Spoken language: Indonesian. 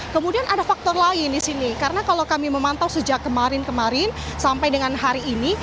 kemudian ada faktor lain di sini karena kalau kami memantau sejak kemarin kemarin sampai dengan hari ini